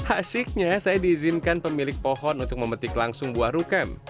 asyiknya saya diizinkan pemilik pohon untuk memetik langsung buah rukam